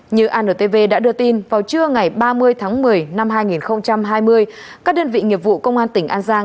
như antv đã đưa tin vào trưa ngày ba mươi tháng một mươi năm hai nghìn hai mươi các đơn vị nghiệp vụ công an tỉnh an giang